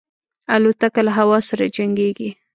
الوتکه له هوا سره جنګيږي.